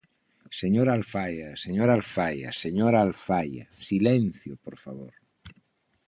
Señora Alfaia, señora Alfaia, señora Alfaia, ¡silencio, por favor!